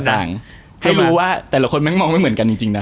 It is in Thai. ต่างให้รู้ว่าแต่ละคนแม่งมองไม่เหมือนกันจริงนะ